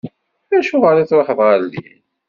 Acuɣer i tṛuḥeḍ ɣer din?